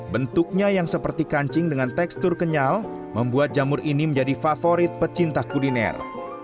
bentuknya yang seperti kancing dengan tekstur kenyal membuat jamur ini menjadi favorit pecinta kuliner